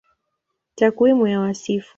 Takwimu ya Wasifu